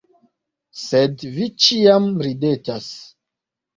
Sed Vi ĉiam ridetas.